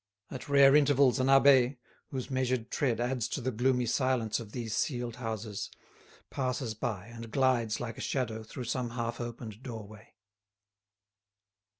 At rare intervals an abbé, whose measured tread adds to the gloomy silence of these sealed houses, passes by and glides like a shadow through some half opened doorway.